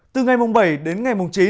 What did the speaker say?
từ ngày bảy đến ngày chín